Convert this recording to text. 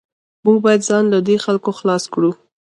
موږ باید ځان له دې خلکو خلاص کړو